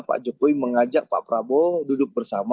pak jokowi mengajak pak prabowo duduk bersama